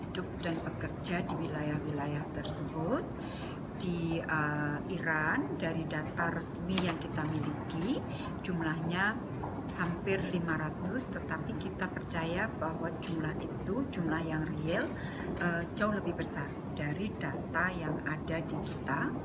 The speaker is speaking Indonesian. jumlah yang real jauh lebih besar dari data yang ada di kita